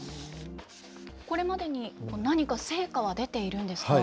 これまでに何か成果は出ているんですか？